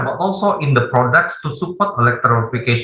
tetapi juga untuk produk untuk mendukung elektrifikasi